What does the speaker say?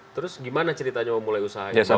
terus gimana ceritanya memulai usaha bapak juga